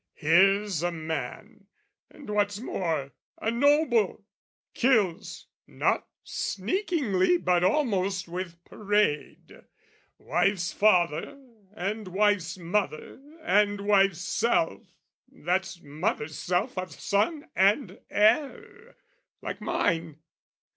Here's a man, and what's more, a noble, kills Not sneakingly but almost with parade Wife's father and wife's mother and wife's self That's mother's self of son and heir (like mine!)